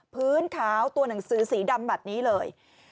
พื้นขาวตัวหนังสือสีดำแบบนี้เลย